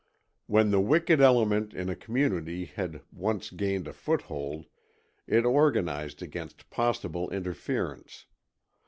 When the wicked element in a community had once gained a foothold, it organized against possible interference.